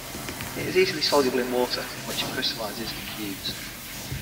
It is easily soluble in water, from which it crystallizes in cubes.